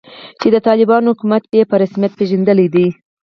چې د طالبانو حکومت یې په رسمیت پیژندلی دی